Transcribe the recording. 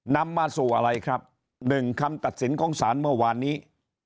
นำมาสู่อะไรครับหนึ่งคำตัดสินของศาลเมื่อวานนี้